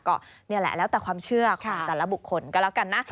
ก็นี่แหละแล้วแต่ความเชื่อของแต่ละบุคคลก็แล้วกันนะ